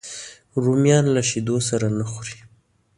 رومیان له شیدو سره نه خوري